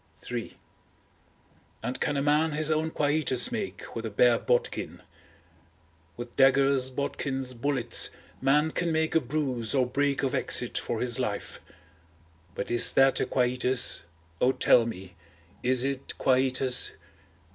III And can a man his own quietus make with a bare bodkin? With daggers, bodkins, bullets, man can make a bruise or break of exit for his life; but is that a quietus, O tell me, is it quietus?